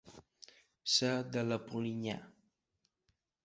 Ser de la Polinyà.